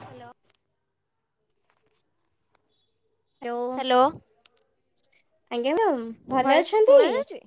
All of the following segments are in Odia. ହ୍ୟାଲୋ। ହାଲୋ। ହ୍ୟାଲୋ ଭଏସ ଶୁଣା ଯାଉଛି?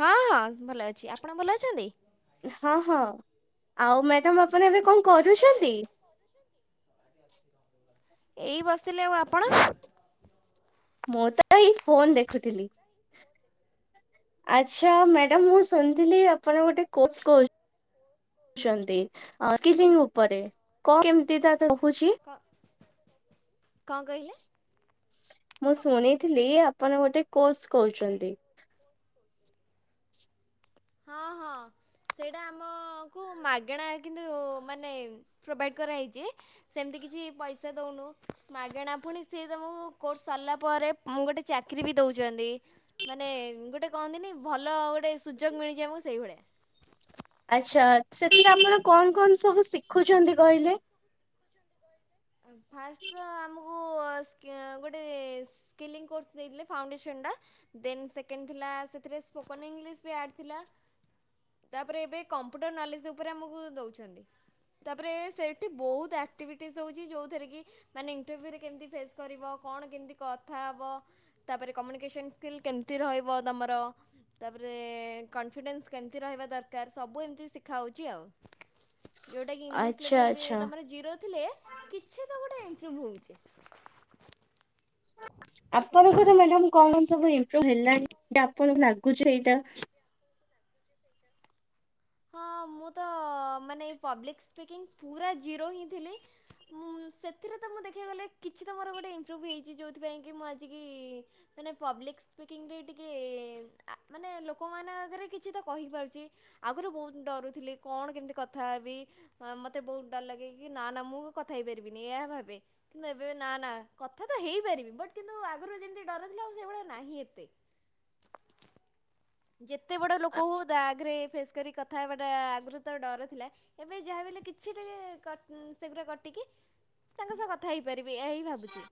ହଁ ହଁ ଭଲ ଅଛି। ଆପଣ ଭଲ ଅଛନ୍ତି? ହଁ ହଁ ଆଉ ମ୍ୟାଡାମ ଆପଣ ଏବେ କଣ କରୁଛନ୍ତି? [inaudible] ଏଇ ବସିଥିଲି ଆଉ ଆପଣ? ମୁଁ ତ ଏଇ ଫୋନ୍ ଦେଖୁଥିଲି। ଆଚ୍ଛା ମ୍ୟାଡାମ ମୁଁ ଶୁଣିଥିଲି ଆପଣ ଗୋଟେ କୋର୍ସ କରୁ ଚନ୍ତି ଆ କେହି ଉପରେ କଣ କେମତି ତା ରହୁଛି? କଣ କହିଲେ? ମୁଁ ଶୁଣିଥିଲି ଆପଣ ଗୋଟେ କୋର୍ସ କରୁଛନ୍ତି। ହଁ ହଁ। ସେଇଟା ଆମକୁ ମାଗେଣା କିନ୍ତୁ ମାନେ ପ୍ରୋଭାଇଡ କରାହେଇଛି, ସେମତି କିଛି ପଇସା ଦଉନୁ, ମାଗେଣା ପୁଣି ସିଏ ତମୁକୁ କୋର୍ସ ସରିଲା ପରେ ଗୋଟେ ଚାକିରି ବି ଦଉ ଉଚନ୍ତି, ମାନେ ଗୋଟେ କହନ୍ତିନି ଭଲ ଗୋଟେ ସୁଯୋଗ ମିଳିଚି ଆମକୁ ସେଇଭଳିଆ। ଆଚ୍ଛା। ସେଥିରେ ଆପଣ କଣ କଣ ସବୁ ଶିଖୁଛନ୍ତି କହିଲେ? ଫାଷ୍ଟ ତ ଆମକୁ ସ୍କେ ଗୋଟେ ସ୍କିଲିଙ୍ଗ କୋର୍ସ ଦେଇଥିଲେ ଫାଉଣ୍ଡେସନଟା, ଦେନ୍ ସେକେଣ୍ଡ ଥିଲା ସେଥିରେ ସ୍ପୋକନ୍ ଇଂଲିଶ ବି ଆଡ୍ ଥି ଲା। ତାପରେ ଏବେ କମ୍ପୁଟର ନଲେଜ ଉପରେ ଆମକୁ ଦଉଛନ୍ତି। ତାପରେ ସେଠି ବହୁତ ଆକ୍ଟିଭିଟିଜ୍ ହଉଚ୍ ଚି, ଯୋଉଥେରେ କି ମାନେ ଇଣ୍ଟରଭ୍ୟୁରେ କେମିତି ଫେସ କରିବ, କଣ କେମିତି କଥା ହବ, ତାପରେ କମ୍ୟୁନି କେସନ ସ୍କିଲ୍ କେମିତି ରହିବ ତମର, ତାପରେ କନ୍ଫିଡେନସ୍ କେମିତି ରହିବା ଦରକାର ସବୁ ଏମିତି ଶିଖା ହଉଚି ଆଉ। ଯୋଉଟା କି ଇଂଲିଶ ଆଚ୍ଛା ଲେବୁଲ ବି ଆଚ୍ଛା। ତମର ଜିରୋ ଥିଲେ କିଛି ତ ଗୋଟେ ଇମ୍ପୃଭ୍ ହଉଚି। ଆପଣଙ୍କର ମ୍ୟାଡାମ କଣ କଣ ସବୁ ଇମ୍ପୃଭ୍ ହେଲାଣି? ଯେ ଆପଣଙ୍କୁ ଲାଗୁଛି ଏଇଟା ହଁ ମୁଁ ତ ଅ ମାନେ ପବ୍ଲିକ୍ ସ୍ପିକିଙ୍ଗ ପୁରା ଜିରୋ ହିଁ ଥିଲି, ଉମ୍ ମୁଁ ସେଥିରେ ତ ମୁଁ ଦେଖିଆକୁ ଗଲେ କିଛି ତ ମୋର ଗୋଟେ ଇମ୍ପୃଭ୍ ହେଇଛି ଯେଉଁଥିପାଇଁ କି ମୁଁ ଆଜିକି ମାନେ ପବ୍ଲିକ୍ ସ୍ପିକିଂରେ ଟିକେ ଏ ମାନେ ଲୋକମାନଙ୍କ ଆଗରେ କିଛି ତ କହିପାରୁଚି ଆଗୁରୁ ବହୁତ ଡରୁଥିଲି, କଣ କେମିତି କଥା ହେବି? ମୋତେ ବହୁତ ଡର ଲାଗେ କି ନା ନା ମୁଁ କଥା ହେଇ ଇପାରିବିନି ଏଇଆ ଭାବେ, କିନ୍ତୁ ଏବେ ନା ନା କଥା ତ ହେଇପାରିବି ବଟ୍ କିନ୍ତୁ ଆଗରୁ ଯେମିତି ଡର ଥିଲା ଆଉ ସେ ସେତେବେଳେ ନାହିଁ ଏତେ। ଯେତେ ବଡ ଲୋକ ହଉ ତାଆଗରେ ଫେସ୍ କରି କଥା ହେବାଟା ଆଗରୁ ତ ଡର ଥିଲା, ଏବେ ଯାହା ବି ହେଲେ କିଛି ଟିକେ କ ସେଗୁରା କଟିକି ତାଙ୍କ ସହ କଥା ହେଇପାରିବି ଏୟା ହିଁ ଭାବୁଚି।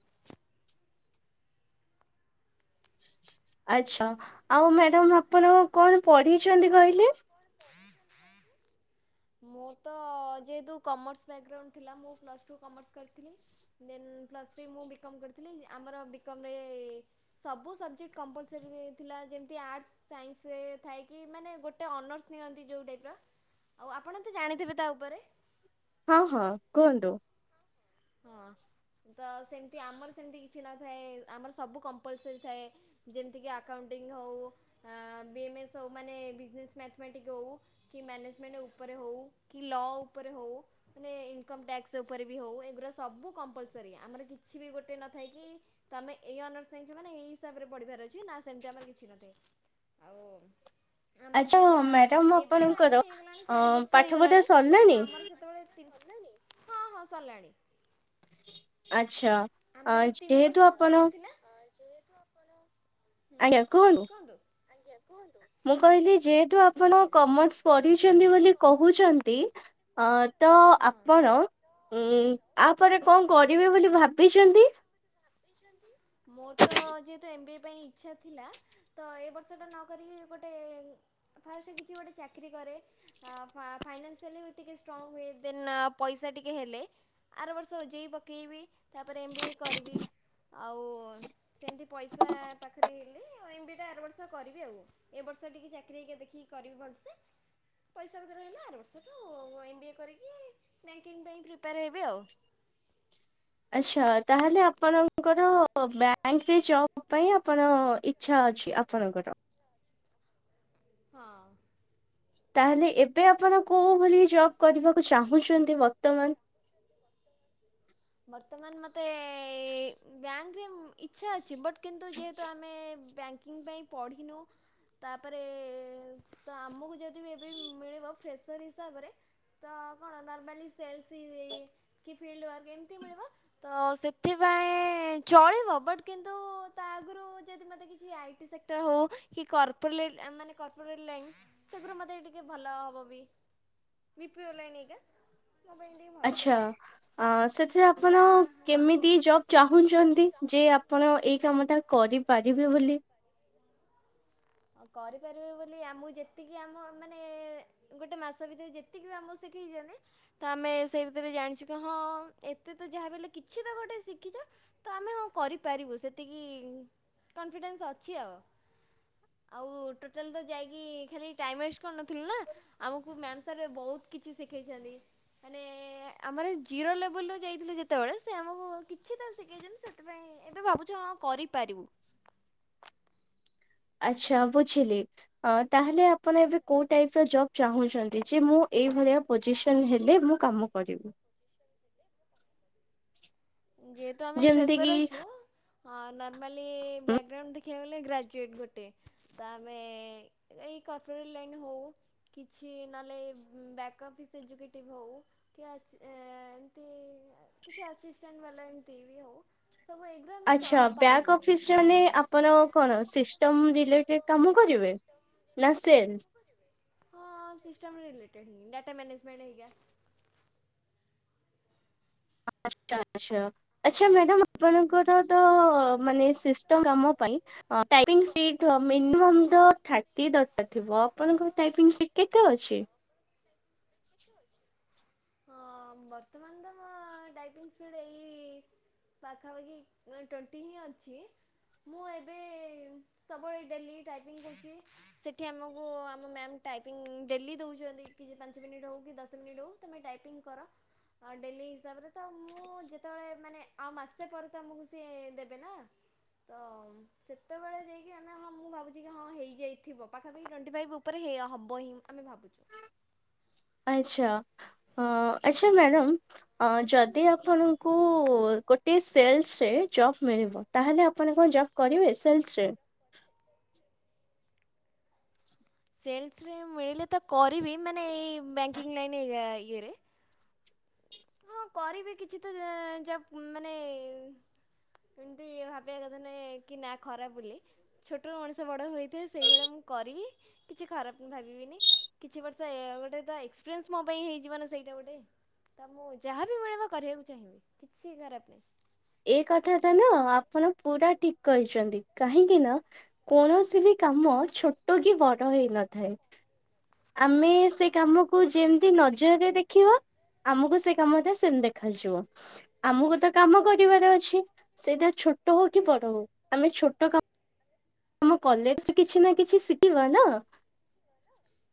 ଆଚ୍ଛା। ଆଉ ମ୍ୟାଡାମ ଆପଣ କଣ ପଢିଛନ୍ତି କହିଲେ? ମୋର ତ ଯେହେତୁ କମର୍ସ ବ୍ୟାକଗ୍ରାଉଣ୍ଡ ଥିଲା ମୁଁ ପ୍ଲସ୍ ଟୁ କମର୍ସ କରିଥିଲି ଦେନ୍ ପ୍ଲସ୍ ଥ୍ରି ମୁଁ ବିକମ୍ କରିଥିଲି ଆମର ବିକମ୍ ରେ ସବୁ ସବଜେକ୍ଟ କମ୍ପଲ୍ସରୀ ଥିଲା। ଯେମତି ଆର୍ଟ୍ସ ସାଇନ୍ସ ରେ ଥାଏ କି ମାନେ ଗୋଟେ ଅନର୍ସ ନିଅନ୍ତି ଯୋଉ ଟାଇପର ଆଉ ଆପଣ ତ ଜାଣିଥିବେ ତା ଉପରେ ହଁ-ହଁ କୁହନ୍ତୁ। ହଁ। ତ ସେମତି ଆମର ସେମତି କିଛି ନଥାଏ ଆମର ସବୁ କମ୍ପଲ୍ସରୀ ଥାଏ ଯେମିତି କି ଆକାଉଣ୍ଟ ଉଣ୍ଟିଂ ହଉ ଆଁ ବି ଏମ୍ ଏସ୍ ହଉ ମାନେ ବିଜନେସ୍ ମ୍ୟାଥମେଟିକ୍ ହଉ କି ମ୍ୟାନେଜମେଣ୍ଟ ଉପରେ ରେ ହଉ କି ଲ ଉପରେ ହଉ ମାନେ ଇନକମ୍ ଟ୍ୟାକ୍ସ ଉପରେ ବି ହଉ ଏଗୁରା ସ ସବୁ କମ୍ପଲ୍ସରୀ ଆମର କିଛି ବି ଗୋଟେ ନଥାଏ କି ତମେ ଏଇ ଅନର୍ସ ନେଇଛ ମାନେ ଏଇ ହିସାବରେ ପଢିବ। ବାର ଅଛି ନା ସେମତି ଆମର କିଛି ନଥାଏ ଆଉ ଆମର ଆଚ୍ଛା ଯେହେତୁ ଆ ମ୍ୟାଡାମ ଏବେ ତ ଏ ନି ଆପଣଙ୍କର ପି ହେଇଗଲାଣି ଅ ଚାରି ବର୍ଷ ପାଠ ପଢା ହେଇଗଲାଣି କିନ୍ତୁ ସରିଲାଣି? ଆମର ସେତେବେଳେ ତିନ୍ ସରିଲାଣି ହଁ-ହଁ ସରିଲାଣି। ଆଚ୍ଛା ଆ ଯେହେତୁ ଆପଣ ଯେହେତୁ ଆପଣ ହୁଁ କୁହନ୍ତୁ ଆଜ୍ଞା କୁହନ୍ତୁ। ମୁଁ କହିଲି ଯେହେତୁ ଆପଣ କମର୍ସ ପଢିଚନ୍ତି ବୋଲି କହୁଚନ୍ତି ଆଁ ତ ହଁ ଆପଣ ଉଁ ଆ ପରେ କଣ କରିବେ ବୋଲି ଭାବିଚନ୍ତି? ଦେଇଛନ୍ତି ମୋର ତ ଯେହେତୁ ଏମ୍ ବି ଏ ପାଇଁ ଇଚ୍ଛା ଥିଲା ତ ଏ ବର୍ଷଟା ନ କରିକି ଗୋଟେ ଫାର୍ଷ୍ଟ କିଛି ଗୋଟେ ଚାକିରି କରେ ଆଁ ଫା-ଫାଇନାନ୍ସିଆଲି ବି ଟିକେ ଷ୍ଟ୍ରଙ୍ଗ ହୁଏ ଦେନ୍ ପ ପଇସା ଟିକେ ହେଲେ ଆର ବର୍ଷ ଓଜେଇ ପକେଇବି ତାପରେ ଏମ୍ ବି ଏ କରିବି। ଆଉ ସେମତି ପଇସା ପାଖରେ ହେଲେ ଏମ୍ ବି ଏ ଟା ଆର ବର୍ଷ କରିବି ଆଉ ଏ ବ ବର୍ଷ ଟିକେ ଚାକିର ହେଇକା ଦେଖିକି କରିବି ଟିକେ ଭଲସେ। ପଇସା ପତ୍ର ହେଲେ ଆର ବର୍ଷ ଠୁ ଏମ୍ ବି ଏ କରିକି ବ୍ୟାଙ୍କିଙ୍ଗ ପାଇଁ ପ୍ରିପେୟାର ହେବି ଆଉ। [unintelligible] ଆଚ୍ଛା ତାହେଲେ ଆପଣଙ୍କର ବ୍ୟାଙ୍କ ରେ ଜବ ପାଇଁ ଆପଣ ଇଚ୍ଛା ଅଛି ଆପଣଙ୍କର। ହଁ। ତାହା ହେଲେ ଏବେ ଆପଣ କୋଉ ଭଳି ଜବ କରିବାକୁ ଚାହୁଁଛନ୍ତି ବର୍ତ୍ତମାନ। ବର୍ତ୍ତମାନ ମତେ ବ୍ୟାଙ୍କ ରେ ଇଚ୍ଛା ଅଛି ବଟ୍ କିନ୍ତୁ ଯେହେତୁ ଆମେ ବ୍ୟାଙ୍କିଙ୍ଗ ପାଇଁ ପଢ଼ିନୁ ତାପରେ ତ ଆମକୁ ଯଦି ବି ଏବେ ମିଳିବ ଫ୍ରସର ହିସାବରେ ତ କଣ ନର୍ମାଲି ସେଲସ୍ କି ଫିଲ୍ଡ ୱର୍କିଙ୍ଗ ମିଳିବ ତ ସେଥିପାଇଁ ଚଳିବ ବଟ୍ କିନ୍ତୁ ତା ଆଗରୁ ଯଦି ମତେ କିଛି ଆଇଟି ସେକ୍ଟର୍ ହଉ କି କରପଲ୍ ମାନେ କର୍ପୋଲ ଲାଇନ ସେଗରୁ ମତେ ଟିକେ ଭଲ ହବ ବି। ବିପିଓର୍ ଲାଇନ୍ ହେଗା ଆଚ୍ଛା ଆଁ ସେଥିରେ ଅପ୍ ଆପଣ ତା ହଁ କେମିତି ଜବ ଚାହୁଁଛନ୍ତି ଯେ ଆପଣ ଏଇ କାମ ଟା କରିପାରିବେ ବୋଲି। ଆ କରିପାରିବେ ବୋଲି ଆମକୁ ଯେତିକି ଆମ ମାନେ ଗୋଟେ ମାସ ଭିତରେ ଯେତିକି ବି ଆମକୁ ସେ ଶିଖେଇଛନ୍ତି ତ ଆମେ ସେଇ ଭିତରେ ଜାଣିଛୁ କି ହଁ ଏତେ ତ ଯାହାବଲେ କିଛି ତ ଗୋଟେ ଶିଖିଛ। ତ ଆମେ ହଁ କରିପାରିବୁ ସେତିକି କନଫିଡେନ୍ସ ଅଛି ଆଉ। ଆଉ ଟଟାଲ ତ ଯାଇକି ଖାଲି ଟାଇମ ୱେଷ୍ଟ କରିନଥିଲୁ ନା ଆମକୁ ମାମ୍ ସାର୍ ବହୁତ୍ କିଛି ଶିଖେଇଛନ୍ତି। ମାନେ ଆମର ଜିରୋ ଲେବଲ ରୁ ଯାଇଥିଲୁ ଯେତେବେଳେ ସେ ଆମକୁ କିଛି ତ ଶିଖେଇଛନ୍ତି ସେଥିପାଇଁ ଏବେ ଭାବୁଛୁ ହଁ କରିପାରିବୁ। ଆଚ୍ଛା ବୁଝିଲି ଆଁ ତାହା ହେଲେ ଆପଣ ଏବେ କୋଉ ଟାଇପ ର ଜବ୍ ଚାହୁଁଛନ୍ତି ଯେ ମୁଁ ଏଇଭଳିଆ ପୋଜିସନ ହେଲେ ମୁଁ କାମ କରିବି। ପଜିସ [unintelligible] ଯେହେତୁ ଆମେ ଯେମିତି କିି ଫ୍ରେସର ଅଛୁ ଆ ନର୍ମାଲି ଉଁ, ବ୍ୟାକଗ୍ରାଉଣ୍ଡ ଦେଖି ଖିବାକୁ ଗଲେ ଗ୍ରାଜୁଏଟ୍ ଗୋଟେ ତ ଆମେ ଏଇ କର୍ପୋରେଟ୍ ଲାଇନ ରେ ହୋଉ। କିଛି ନହେଲେ ବ୍ୟାକ୍ ଅଫିସ୍ ଏଜିକ୍ୟୁଟିଭ୍ ହଉ କି ଆଚ ଏ କି ଏମତି କିଛି ଆସିଷ୍ଟାଣ୍ଟ ବାଲା ଏମତି ବି ହୋଉ ଆଛା ବ୍ୟାକ୍ ଅଫିସ୍ ମାନେ ଆପଣ କଣ ସିଷ୍ଟମ୍ ରିଲେଟେଡ୍ କାମ କରିବେ ବେ ନା ସେଲ୍ ହଁ ସିଷ୍ଟମ୍ ରିଲେଟେଡ୍ ହିଁ ଡାଟା ମାନେଜମେଣ୍ଟ ହେଇକା। ଆଛା ଆଛା ଆଛା ମ୍ୟାଡ଼ାମ ଆପଣଙ୍କର ତ ମାନେ ସିଷ୍ଟମ୍ କାମ ପାଇଁ ଟାଇପିଙ୍ଗ୍ ସ୍ପିଡ୍ ର ମିନିମମ୍ ତ ଥାର୍ଟୀ ଦରକାର୍ ଥିବ ତ ଆପଣଙ୍କ ଟାଇପିଙ୍ଗ ସ୍ପିଡ୍ କେତେ ଅଛି? ସ୍ପିଡ୍ କେତେ ଅଛି? ଆଁ ବର୍ତ୍ତମାନ ତ ଟାଇପିଙ୍ଗ୍ ସ୍ପିଡ୍ ଏଇ ପାଖାପାଖି ଟ୍ବେଣ୍ଟି ହିଁ ଅଛି। ମୁଁ ଏବେ ସବୁବେଳେ ଡେଲି ଟାଇପିଙ୍ଗ୍ କରୁଛି [inaudible] ସେଠି ଆମକୁ ଆମ ମ୍ୟାମ୍ ଟାଇପିଙ୍ଗ ଡେଲି ଦେଉଛନ୍ତି କିଛି ପାଞ୍ଚ ମିନିଟ୍ ହୋଉ କି ଦଶ ମିନିଟ୍ ହଉ ତୁମେ ଟାଇପିଂ କର ଆଉ ଡେଲି ହିସାବରେ ତ ମୁଁ ଯେତେବେଳେ ମାନେ ଆଉ ମାସେ ପରେ ତ ଆମକୁ ସିଏ ଦେବେ ନା ତ ସେତେବେଳେ ଯାଇକି ଆମେ ହଁ ମୁଁ ଭାବୁଚି କି ହଁ ହେଇଯାଇଥିବ ପାଖାପାଖି ଟ୍ବେଣ୍ଟି ଫାଇଭ ଉପରେ ହେ ଏଇୟା ହବ ହିଁ ଆମେ ଭାବୁଚୁ। ଆଛା ହଁ ଆଛା ମ୍ୟାଡ଼ାମ ଅ ଯଦି ଆପଣଙ୍କୁ ଗୋଟିଏ ସେଲ୍ସରେ ଜବ ମିଳିବ ତାହେଲେ ଆପଣ କଣ ଜବ କରିବେ ସେଲ୍ସ ରେ ସେଲ୍ସ ରେ ମିଳିଲେ ତ କରିବି ମାନେ ଏଇ ବ୍ୟାଙ୍କିଙ୍ଗ ଲାଇନ୍ ଏରିଆ ଇଏରେ ହଁ କରିବି କିଛି ତ ଜବ ମାନେ ଏମତି ଇଏ ଭାବିବା କଥା ନ କି ନା ଖରାପ ବୋଲି ଛୋଟରୁ ମଣିଷ ବଡ ହେଇଥାଏ ସେଇଭଳିଆ ମୁଁ କରିବି କିଛି ଖରାପ ଭାବିବିନି କିଛି ବର୍ଷ ଏ ଗୋଟେ ତ ଏକ୍ସପିରିଏନ୍ସ ମୋ ପାଇଁ ହେଇଯିବ ନା ସେଠ ମୁଁ ଗୋଟେ ତ ମୁଁ ଯାହାବି ମିଳିବ କରିବାକୁ ଚାହିଁବି କିଛି ଖରାପ ନାହିଁ। ଏ କଥା ଟା ନା ଆପଣ ପୁରା ଠିକ୍ କହିଛନ୍ତି କାହିଁକି ନା କୌଣସି ବି କାମ ଛୋଟ କି ବଡ ହେଇନଥାଏ। ଆମେ ହଁ ସେ କାମକୁ ଯେମିତି ନଜରରେ ଦେଖିବା ଆମକୁ ସେ କାମଟା ସେମିତି ଦେଖ ଯିବ ଆମକୁ ତ କାମ କର ରିବାର ଅଛି ସେଇଟା ଛୋଟ ହୋଉ କି ସେଇଆ ବଡ ହୋଉ ଆମେ ଛୋଟ କାମ ଆମ କଲେଜ କିଛି ନା କିଛି ଶିଖିବା ନା।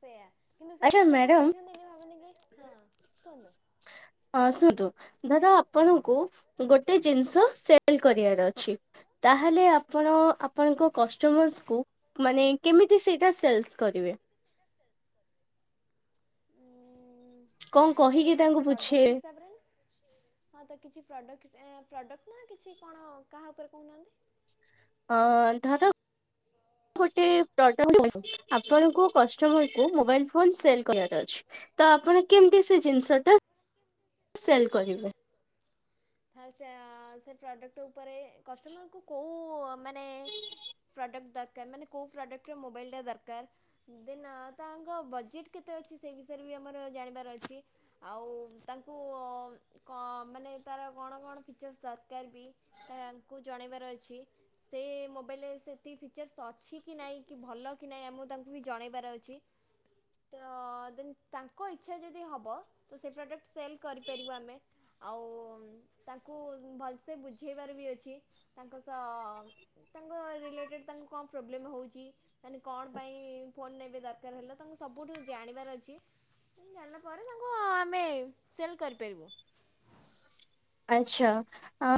ସେଇଆ କିନ୍ତୁ ଆଚ୍ଛା ସେଇଟା ଲୋକ ମ୍ୟାଡାମ ବୁଝନ୍ତିନି ଭାବନ୍ତି କି ହଁ କୁହନ୍ତୁ ଆସୁନ୍ତୁ ଧର ଆପଣଙ୍କୁ ଗୋଟେ ଜିନିଷ ସେଲ କରିବାର ଅଛି। ତାହେଲେ ଆପଣ ଆପଣଙ୍କ କଷ୍ଟମର୍ସକୁ ମାନେ କେମିତି ସେଇଟା ସେଲସ୍ କରିବେ? କଣ ମାନେ କହିକି କିଛି ତାଙ୍କୁ ପ୍ରଡକ୍ଟ ବୁଝେଇବେ? ହିସାବରେ ହଁ ତ କିଛି ପ୍ରଡ ପ୍ରଡ଼କ୍ଟ ନା କିଛି କଣ କାହା ଉପରେ କହୁନାହାନ୍ତି। ଅ ଧର ଗୋଟେ ଆପଣ କଷ୍ଟମରକୁ ମୋବାଇଲ ଫୋନ୍ ସେଲ୍ କରିଆର ତ ଆପଣ କେମତିି ସେ ଜିନିଷଟା ସେଲ୍ କରିବେ ଆଛା ସେ ପ୍ରଡକ୍ଟ ଉପରେ କଷ୍ଟମରକୁ କୋଉ ମାନେ ଆଇଟମ ଦରକାର୍ ମାନେ କୋଉ ପ୍ରଡକ୍ଟ ର ମୋବାଇଲ୍ ଟା ଦରକାର୍ ଦେନ୍ ତାଙ୍କ ବଜେଟ୍ କେତେ ଅଛି ସେ ସେ ବିଷୟରେ ବି ଆମର ଜାଣିବାର ଅଛି। ଆଉ ତାଙ୍କୁ କ ମାନେ ତାର କଣ କଣ ଫିଚରସ ଦରକାର ବି ତାଙ୍କୁ ଜଣେଇବାର ଅଛି। ସେ ମୋବାଇଲରେ ସେତିକି ଫିଚର୍ସ ଅଛି କି ନାଇଁ କି ଭଲ କି ନାଇଁ ଆମକୁ ତାଙ୍କୁ ବି ଜଣେଇବାର ଅଛି। ତ ଦେନ୍ ତାଙ୍କ ଇଚ୍ଛା ଯଦି ହବ ତ ସେ ପ୍ରଡକ୍ଟ ସେଲ କରିପାରିବୁ ଆମେ। ଆଉ ତା ତାଙ୍କୁ ଭଲସେ ବୁଝେଇବାର ବି ଅଛି ତାଙ୍କ ସହ ତାଙ୍କ ରିଲେଟେଡ଼୍ ତାଙ୍କୁ କଣ ପ୍ରୋବ୍ଲେମ୍ ହେଉଛି ମାନେ କଣ ପାଇଁ ଫୋନ୍ ନେବେ ଦରକାର ହେଲା ତାଙ୍କୁ ସବୁଠୁ ଜାଣିବାର ଅଛି। ଜାଣିଲା ପରେ ତାଙ୍କୁ ଆମେ ସେଲ୍ କରିପାରିବୁ। ଆଛା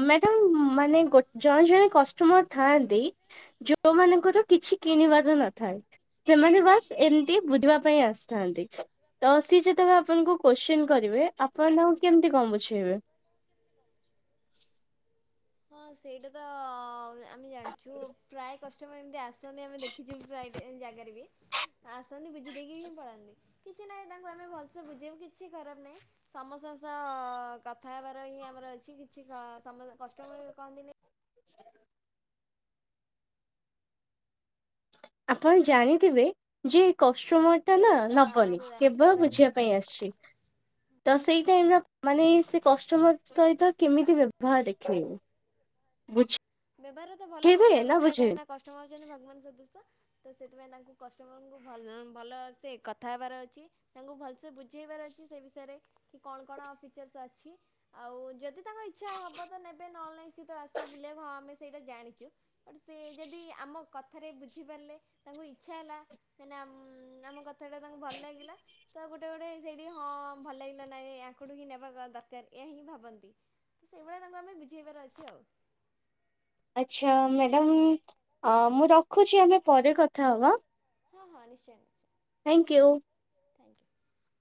ମ୍ୟାଡାମ୍ ମାନେ ଗୋ ଜଣେ ଜଣେ କଷ୍ଟମର୍ ଥାନ୍ତି ଯୋଉ ମାନଙ୍କର କିଛି କିଣିବାର ନଥାଏ, ସେମାନେ ବାସ୍ ଏମିତି ବୁଝିବା ପାଇଁ ଆସିଥାନ୍ତି। ତ ସିଏ ଯେତେବେଳେ ଆପଣଙ୍କୁ କ୍ୱେଶ୍ଚିନ୍ କରିବେ, ଆପଣ କେମିତି କଣ ବୁଝେଇବେ। [inaudible] ହଁ ସେଇଟା ତ ଆମେ ଜାଣିଛୁ ପ୍ରାୟ କଷ୍ଟମର୍ ଏମିତି ଆସନ୍ତି ଆମେ ଦେଖିଛୁ ପ୍ରାୟ ଟାଇମ୍ ଜାଗାରେ ବି ନାଇ ସମସ୍ତଙ୍କ ତ କଥା ହେବାର ହିଁ ଆମର ଅଛି କିଛି ସମ କଷ୍ଟମର୍ କହନ୍ତିନି [inaudible] ଆପଣ ଜାଣିଥିବେ ଯେ କ ଷ୍ଟମର୍ଟା ନା ନବନି ଆମକୁ ଏମିତି କେବଳ ଖରାପ ନାହିଁ ବୁଝିବା ପାଇଁ ଆସିଛି ତ ସେଇ ଟାଇମ୍ ର ମାନେ ସେ କଷ୍ଟମର୍ ସହିତ କେମିତି ବ୍ୟବହାର ଦେଖେଇବୁ ବୁଝ୍ ବ୍ୟବହାର ତ ଭଲ କରିବା ଦରକାର କାହିଁକି ନା କଷ୍ଟମର ହଉଛନ୍ତି ଭଗବାନ ସଦୃଶ। ତ ସେଥିପାଇଁ ତାଙ୍କୁ କଷ୍ଟମରଙ୍କୁ ଭଲ ଭଲ ସେ କଥା ହେବାର ଅଛି ତାଙ୍କୁ ଭଲସେ ବୁଝେଇବା ସେ ବିଷୟରେ କଣ କଣ ଫିଚର୍ସ ଅଛି ଆଉ ଯଦି ତାଙ୍କ ଇଛା ହବ ତ ନେବେ ନ ନହେଲେ ନାଇ ଆସିବେ ବୁଲିବାକୁ ହଁ ଆମେ ସେଇଟା ଜାଣିଛୁ ବଟ୍ ସେ ଯଦି ଆମ କଥାରେ ବୁଝିପାରିଲେ ତାଙ୍କୁ ଇଛା ହେଲା ଉମଁ ଆଁ ଆମ କଥାଟା ତାଙ୍କୁ ଭଲ ଲାଗିଲା ତ ଗୋଟେ ଗୋଟେ ସେଇଠି ହଁ ଭଲ ଲାଗିଲା ନାଇ [unintelligible] ଆଙ୍କ ଠିକ ନେବା ଦରକାର ଏହା ହିଁ ଭାବନ୍ତି ତ ସେଇ ଭଳିଆ ତାଙ୍କୁ ଆମେ ବୁଝେଇବାର ଅଛି ଆଉ। ଆଚ୍ଛା ମ୍ୟାଡ଼ାମ୍ ମୁଁ ରଖୁଛି ଆମେ ପରେ କଥା ହବା। ହଁ ହଁ ନିଶ୍ଚୟ ନିଶ୍ଚୟ। Thank you. Thank you [inaudible]